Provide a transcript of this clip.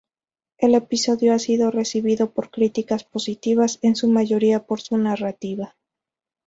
El episodio ha sido recibido con críticas positivas, en su mayoría por su narrativa.